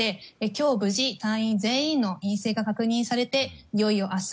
今日、無事隊員全員の陰性が確認されていよいよ明日